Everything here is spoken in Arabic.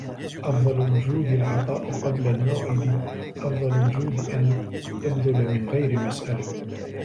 أفضل الجود العطاء قبل الموعد أفضل الجود أن تبذل من غير مسألة